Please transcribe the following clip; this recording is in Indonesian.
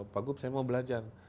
pak gup saya mau belajar